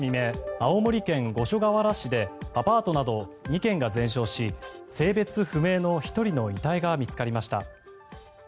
青森県五所川原市でアパートなど２軒が全焼し性別不明の１人の遺体が見つかりました。